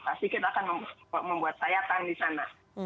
pasti kita akan membuat sayatan di sana